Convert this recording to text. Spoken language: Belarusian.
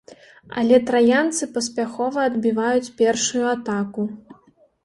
Але траянцы паспяхова адбіваюць першую атаку.